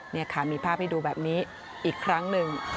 นี่ค่ะมีภาพให้ดูแบบนี้อีกครั้งหนึ่ง